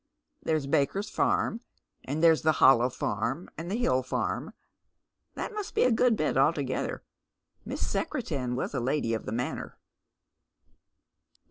There's Baker's farm, and there's the Hollow farm and the Hill farm — that must be a good bit altogether. Miss Secretan was lady of the manor."